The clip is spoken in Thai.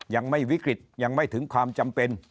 ยังไม่วิกฤตยังไม่ถึงความจำเป็น